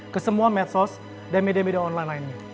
ke semua medsos dan media media online lainnya